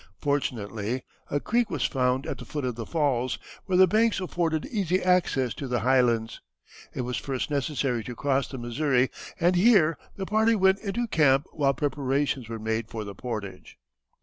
Fortunately a creek was found at the foot of the falls, where the banks afforded easy access to the highlands. It was first necessary to cross the Missouri, and here the party went into camp while preparations were made for the portage.